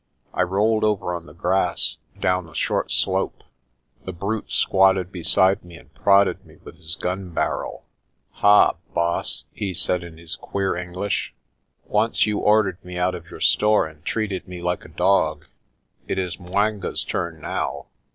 I rolled over on the grass down a short slope. The brute squatted beside me and prodded me with his gun barrel. "Ha, Baas," he said in his queer English. "Once you or dered me out of your store and treated me like a dog. It is 'Mwanga's turn now.